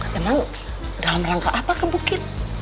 tapi ma dalam rangka apa ke bukit